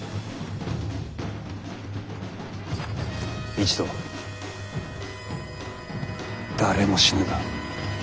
一同誰も死ぬな。